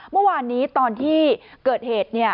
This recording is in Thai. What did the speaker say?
เมื่อวานนี้ตอนที่เกิดเหตุ